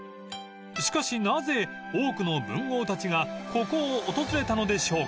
［しかしなぜ多くの文豪たちがここを訪れたのでしょうか］